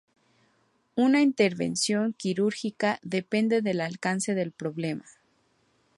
Una intervención quirúrgica depende del alcance del problema.